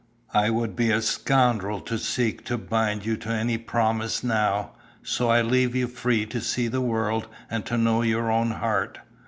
I would be a scoundrel to seek to bind you to any promise now, so I leave you free to see the world and to know your own heart.